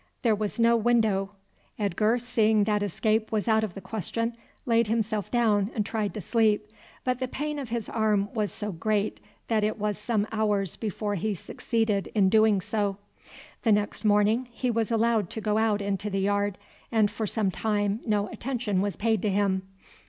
There was no window. Edgar, seeing that escape was out of the question, laid himself down and tried to sleep, but the pain of his arm was so great that it was some hours before he succeeded in doing so. The next morning he was allowed to go out into the yard, and for some time no attention was paid to him.